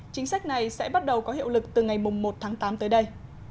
chính sách này sẽ bắt đầu có hiệu lực từ ngày một tháng tám tới đây